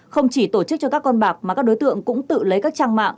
không chỉ tổ chức cho các con bạc mà các đối tượng cũng tự lấy các trang mạng